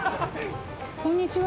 こんにちは。